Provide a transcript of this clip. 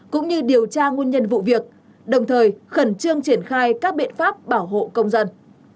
cũng như điều tra nguyên nhân vụ việc đồng thời khẩn trương triển khai các biện pháp bảo hộ công dân